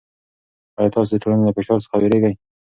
آیا تاسې د ټولنې له فشار څخه وېرېږئ؟